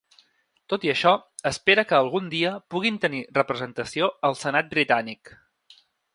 Tot i això, espera que ‘algun dia puguin tenir representació al senat britànic’.